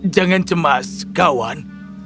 jangan cemas kawan